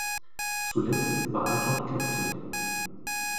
Zuletzt war er dort Captain.